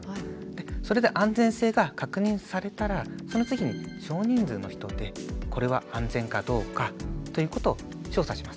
それで安全性が確認されたらその次に少人数の人でこれは安全かどうかということを調査します。